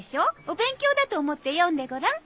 お勉強だと思って読んでごらん。